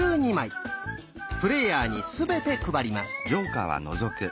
プレーヤーにすべて配ります。